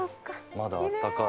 まだあったかい。